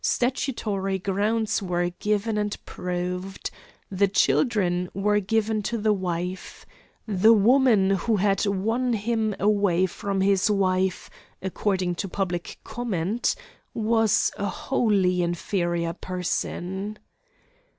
Statutory grounds were given and proved. The children were given to the wife. The woman who had won him away from his wife, according to public comment, was a wholly inferior person.